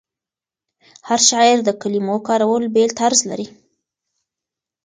هر شاعر د کلمو کارولو بېل طرز لري.